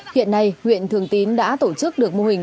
huyện này huyện thường tín đã tổ chức được mô hình